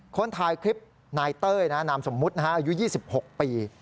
คนถ่ายคลิปนายเต้ยนะนามสมมุตินะฮะอายุ๒๖ปี